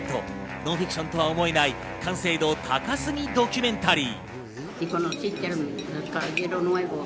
ノンフィクションとは思えない完成度高過ぎドキュメンタリー。